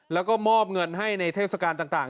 แล้วก็มอบเงินให้ในเทศกาลต่าง